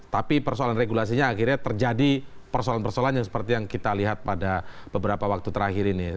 tapi persoalan regulasinya akhirnya terjadi persoalan persoalan yang seperti yang kita lihat pada beberapa waktu terakhir ini